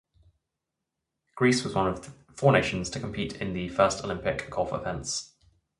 Greece was one of four nations to compete in the first Olympic golf events.